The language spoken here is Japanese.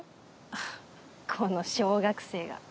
あっこの小学生が。